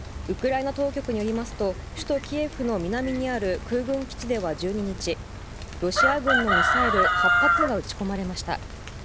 ウクライナ当局によりますと首都キエフの南にある空軍基地では１２日ロシア軍のミサイル８発が撃ち込まれました。